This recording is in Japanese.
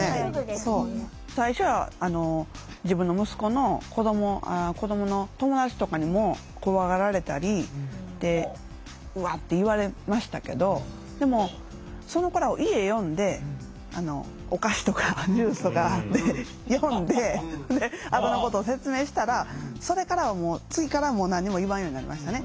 最初は自分の息子の子どもの友達とかにも怖がられたり「うわっ」って言われましたけどでもその子らを家呼んでお菓子とかジュースとかで呼んであざのことを説明したらそれからはもう次からはもう何も言わんようになりましたね。